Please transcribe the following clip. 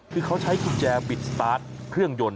คือเขาใช้กุญแจบิดสตาร์ทเครื่องยนต